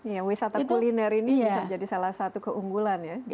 iya wisata kuliner ini bisa jadi salah satu keunggulan ya